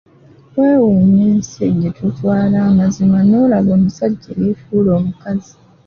Wewuunya ensi gyetutwala amazima n'olaba omusajja eyefuula omukazi.